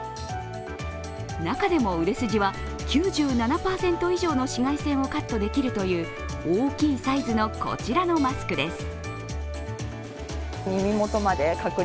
中でも売れ筋は、９７％以上の紫外線をカットできるという大きいサイズのこちらのマスクです。